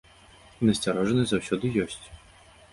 І насцярожанасць заўсёды ёсць.